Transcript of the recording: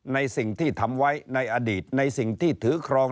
ในสิ่งที่ทำไว้ในอดีตในสิ่งที่ถือครอง